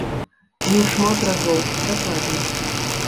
Не ў шмат разоў, дакладней.